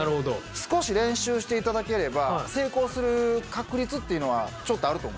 少し練習して頂ければ成功する確率っていうのはちょっとあると思います。